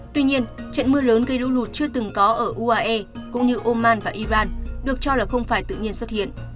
tuy nhiên trận mưa lớn gây lũ lụt chưa từng có ở uae cũng như oman và iran được cho là không phải tự nhiên xuất hiện